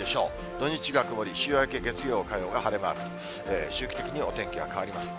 土日が曇り、週明け月曜、火曜が晴れマーク、周期的にお天気は変わります。